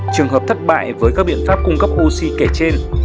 trường hợp thất bại với các biện pháp cung cấp oxy kể trên